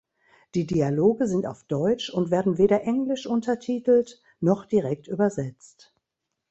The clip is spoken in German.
Die Dialoge sind auf Deutsch und werden weder Englisch untertitelt noch direkt übersetzt.